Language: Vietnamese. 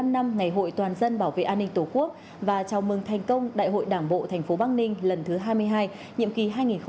bảy mươi năm năm ngày hội toàn dân bảo vệ an ninh tổ quốc và chào mừng thành công đại hội đảng bộ tp bắc ninh lần thứ hai mươi hai nhiệm kỳ hai nghìn hai mươi hai nghìn hai mươi năm